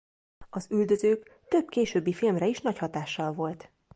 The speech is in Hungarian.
Az üldözők több későbbi filmre is nagy hatással volt.